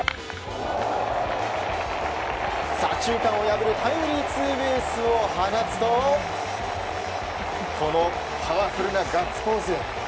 左中間を破るタイムリーツーベースを放つとこのパワフルなガッツポーズ！